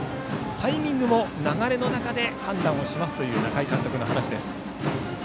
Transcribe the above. タイミングも流れの中で判断をしますという仲井監督の話。